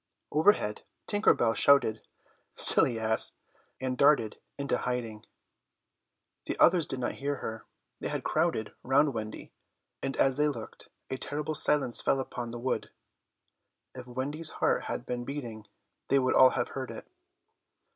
Overhead Tinker Bell shouted "Silly ass!" and darted into hiding. The others did not hear her. They had crowded round Wendy, and as they looked a terrible silence fell upon the wood. If Wendy's heart had been beating they would all have heard it.